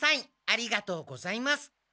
ありがとうございます。